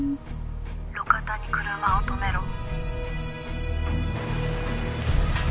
「路肩に車を止めろ」